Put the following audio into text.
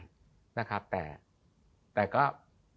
ก็คือจริงมันก็อาจจะมีที่คุมไม่ได้